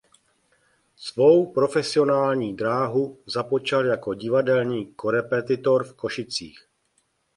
Svou profesionální dráhu započal jako divadelní korepetitor v Košicích.